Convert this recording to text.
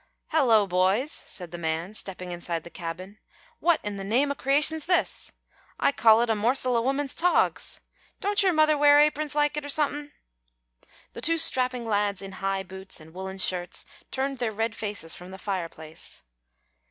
"Hello, boys!" said the man, stepping inside the cabin; "what in the name o' creation's this? I call it a morsel of woman's togs. Don't your mother wear aprons like it, or somethin'?" The two strapping lads in high boots and woollen shirts turned their red faces from the fireplace.